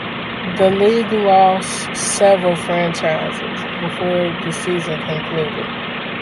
The league lost several franchises before the season concluded.